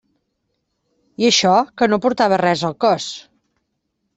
I això que no portava res al cos.